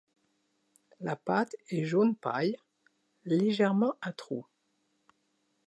La pâte est jaune paille, légèrement à trous.